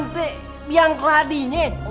lo yang keladinya